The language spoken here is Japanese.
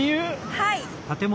はい！